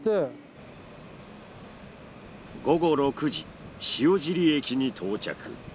午後６時塩尻駅に到着。